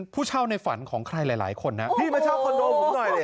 ผู้เช่าในฝันของใครหลายคนนะพี่มาเช่าคอนโดผมหน่อย